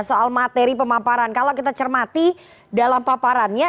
soal materi pemaparan kalau kita cermati dalam paparannya